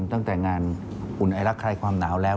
ตั้งแต่งานอุ่นไอรักใครความหนาวแล้ว